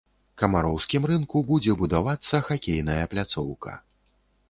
Камароўскім рынку будзе будавацца хакейная пляцоўка.